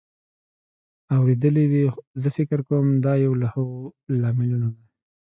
اورېدلې وې. زه فکر کوم دا یو له هغو لاملونو دی